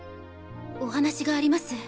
お話があります。